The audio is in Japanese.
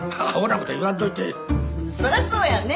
そらそうやね。